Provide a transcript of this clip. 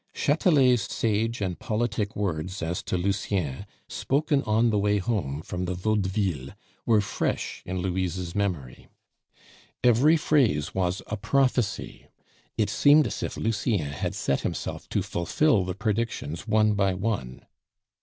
Chatelet's sage and politic words as to Lucien, spoken on the way home from the Vaudeville, were fresh in Louise's memory. Every phrase was a prophecy, it seemed as if Lucien had set himself to fulfil the predictions one by one.